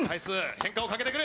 変化をかけてくる。